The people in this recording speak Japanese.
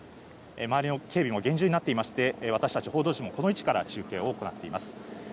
周りの警備も厳重になっていまして、私達、報道陣がこの位置から中継を行っています。